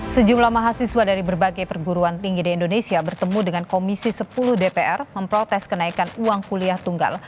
sejumlah mahasiswa dari berbagai perguruan tinggi di indonesia bertemu dengan komisi sepuluh dpr memprotes kenaikan uang kuliah tunggal